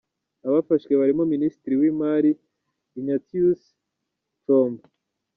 Abafashwe barimo Minisitiri w’Imari, Ignatius Chombo.